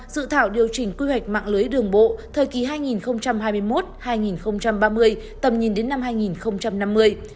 dự thảo điều chỉnh quy hoạch mạng lưới đường bộ thời kỳ hai nghìn hai mươi một hai nghìn ba mươi tầm nhìn đến năm hai nghìn năm mươi